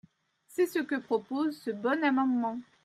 C’est ce que propose ce bon amendement.